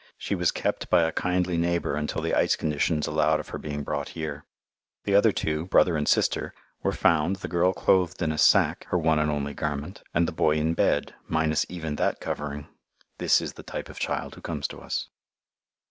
She was kept by a kindly neighbour until the ice conditions allowed of her being brought here. The other two, brother and sister, were found, the girl clothed in a sack, her one and only garment, and the boy in bed, minus even that covering. This is the type of child who comes to us.